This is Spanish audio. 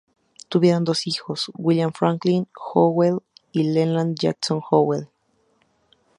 Tuvieron dos hijos: William Franklin Howell, y Leland Jackson Howell.